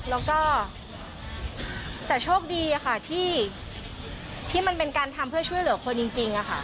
แล้วก็แต่โชคดีค่ะที่มันเป็นการทำเพื่อช่วยเหลือคนจริงค่ะ